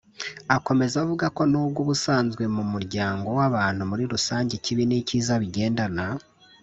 Akomeza avuga ko n’ubwo ubusanzwe mu muryango w’abantu muri rusange ikibi n’icyiza bigendana